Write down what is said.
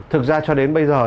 thực ra cho đến bây giờ